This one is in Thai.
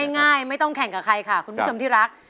ง่ายไม่ต้องแข่งกับใครค่ะคุณผู้ชมที่รัก